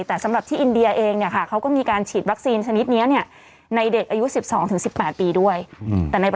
แต่สำหรับที่อินเดียเอนเขาก็มีการฉีดวัคซีนชนิดนี้ไว้ในเด็กอายุ๑๒๑๘ปี